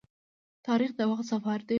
تاریخ د وخت سفر دی.